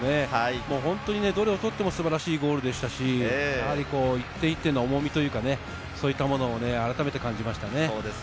本当にどれをとっても素晴らしいゴールでしたし、やはり１点１点の重みというか、そういったものをあらためて感じました。